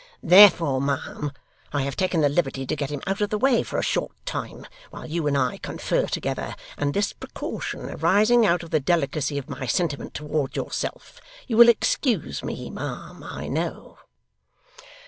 Therefore, ma'am, I have taken the liberty to get him out of the way for a short time, while you and I confer together, and this precaution arising out of the delicacy of my sentiments towards yourself, you will excuse me, ma'am, I know.